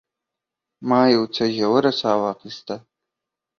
ما یو څه ژوره ساه واخیسته.